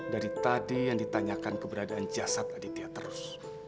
dari tadi yang ditanyakan keberadaan jasad aditya terus